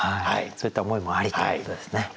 そういった思いもありということですね。